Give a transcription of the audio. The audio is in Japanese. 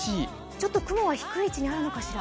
ちょっと雲が低い位置にあるのかしら。